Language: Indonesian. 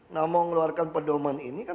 nah mau ngeluarkan pedoman ini kan